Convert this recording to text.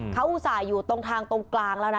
เขาอุตส่าห์อยู่ตรงทางตรงกลางแล้วนะ